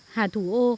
hà thủ ô